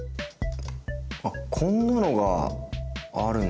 あっこんなのがあるんすね。